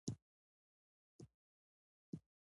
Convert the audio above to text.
افغانستان يو پرمختللی هيواد ده